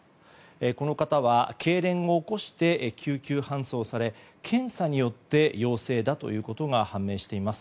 この方は、けいれんを起こして救急搬送され検査によって陽性だということが判明しています。